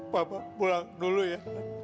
papa pulang dulu ya